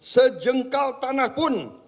sejengkal tanah pun